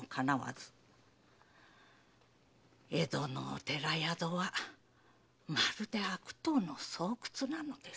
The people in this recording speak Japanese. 江戸のお寺宿はまるで悪党の巣窟なのです。